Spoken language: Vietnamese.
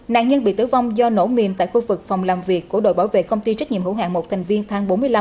nạn nhân bị tử vong do nổ mìn tại khu vực phòng làm việc của đội bảo vệ công ty trách nhiệm hữu hạng một thành viên thang bốn mươi năm